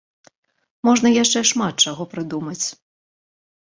Можна яшчэ шмат чаго прыдумаць.